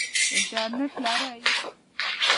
انټرنټ لرئ؟